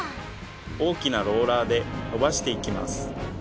大きなローラーでのばしていきます。